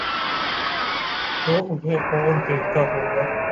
تو انہیں کون دیکھتا ہو گا؟